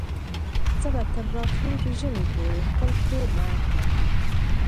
زه به تر راتلونکي ژمي پورې خپل کور رنګ کړم.